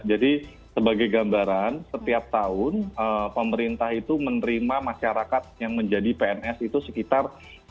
jadi sebagai gambaran setiap tahun pemerintah itu menerima masyarakat yang menjadi pns itu sekitar